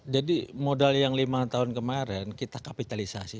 jadi modal yang lima tahun kemarin kita kapitalisasi